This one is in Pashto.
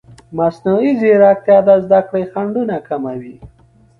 مصنوعي ځیرکتیا د زده کړې خنډونه کموي.